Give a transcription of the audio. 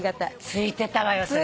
ついてたわよそれ。